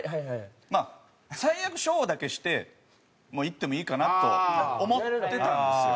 まあ最悪小だけして行ってもいいかなと思ってたんですよ。